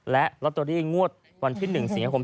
และรัตเตอรี่งวดวันที่๑สิงหาคมที่ผ่านมา